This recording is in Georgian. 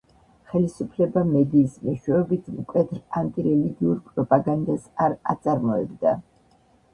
ხელისუფლება მედიის მეშვეობით მკვეთრ ანტირელიგიურ პროპაგანდას არ აწარმოებდა.